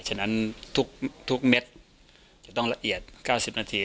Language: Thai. ฉะนั้นทุกเม็ดจะต้องละเอียด๙๐นาที